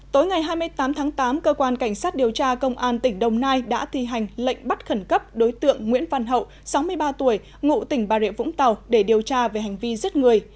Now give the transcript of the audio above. tối ngày hai mươi tám tháng tám cơ quan cảnh sát điều tra công an tỉnh đồng nai đã thi hành lệnh bắt khẩn cấp đối tượng nguyễn văn hậu sáu mươi ba tuổi ngụ tỉnh bà rịa vũng tàu để điều tra về hành vi giết người